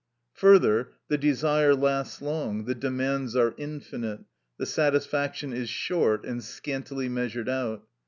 Further, the desire lasts long, the demands are infinite; the satisfaction is short and scantily measured out.